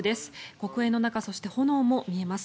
黒煙の中、そして炎も見えます。